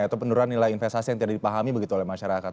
atau penurunan nilai investasi yang tidak dipahami begitu oleh masyarakat